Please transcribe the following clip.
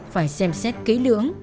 phải xem xét kỹ lưỡng